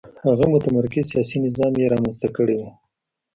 هغه متمرکز سیاسي نظام یې رامنځته کړی و.